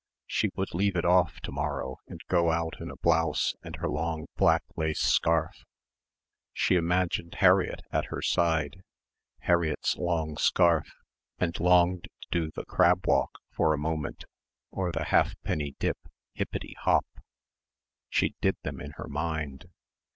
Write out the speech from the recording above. She would leave it off to morrow and go out in a blouse and her long black lace scarf.... She imagined Harriett at her side Harriett's long scarf and longed to do the "crab walk" for a moment or the halfpenny dip, hippety hop. She did them in her mind.